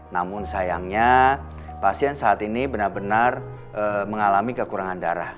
namun sayangnya pasien saat ini benar benar mengalami kekurangan darah